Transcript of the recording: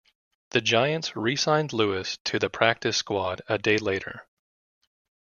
The Giants re-signed Lewis to the practice squad a day later.